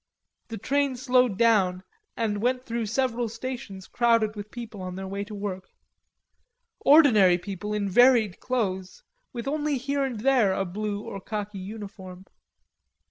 The train slowed down and went through several stations crowded with people on their way to work, ordinary people in varied clothes with only here and there a blue or khaki uniform.